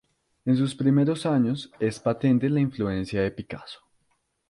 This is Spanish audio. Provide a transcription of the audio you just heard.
En sus primeros años es patente la influencia de Picasso.